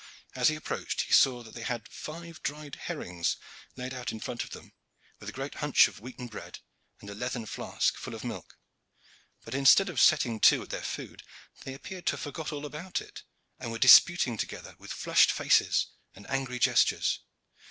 As he approached he saw that they had five dried herrings laid out in front of them, with a great hunch of wheaten bread and a leathern flask full of milk, but instead of setting to at their food they appeared to have forgot all about it, and were disputing together with flushed faces and angry gestures.